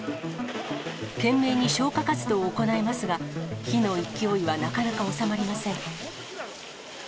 懸命に消火活動を行いますが、火の勢いはなかなか収まりません。